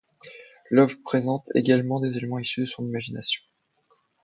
L'œuvre présente également des éléments issus de son imagination.